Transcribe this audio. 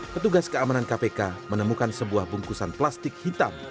petugas keamanan kpk menemukan sebuah bungkusan plastik hitam